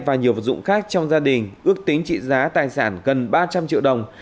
và nhiều vật dụng khác trong gia đình ước tính trị giá tài sản gần ba trăm linh triệu đồng